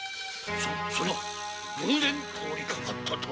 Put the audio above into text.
そそれは偶然通りかかったと。